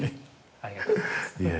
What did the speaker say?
ありがとうございます。